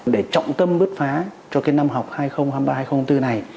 để trọng tâm bứt phá cho năm học hai nghìn hai mươi ba hai nghìn hai mươi bốn này